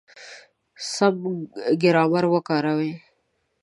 سم ګرامر وکاروئ!.